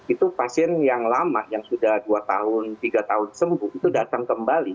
itu pasien yang lama yang sudah dua tahun tiga tahun sembuh itu datang kembali